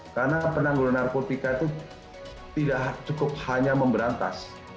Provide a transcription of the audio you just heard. karena penanggulangan narkotika itu tidak cukup hanya memberantas